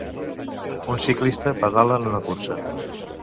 Un ciclista pedala en una cursa.